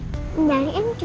sebenarnya hanya taruh kekuatan